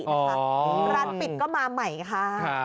ร้านปิดก็มาใหม่ค่ะ